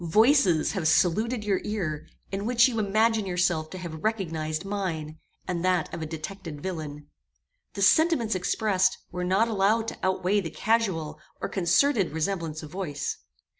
Voices have saluted your ear, in which you imagine yourself to have recognized mine, and that of a detected villain. The sentiments expressed were not allowed to outweigh the casual or concerted resemblance of voice.